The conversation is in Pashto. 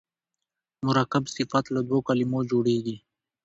مرکب صفت له دوو کلمو جوړیږي.